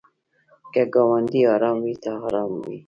که ګاونډی ارام وي ته ارام یې.